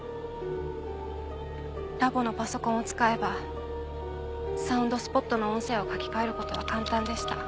ラボのパソコンを使えばサウンドスポットの音声を書き換える事は簡単でした。